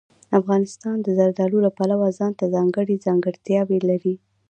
افغانستان د زردالو له پلوه ځانته ځانګړې ځانګړتیاوې لري.